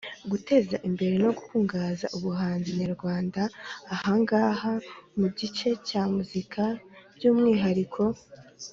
guteza imbere no gukungahaza ubuhanzi nyarwanda, ahangaha mu gice cya Muzika by'umwihariko.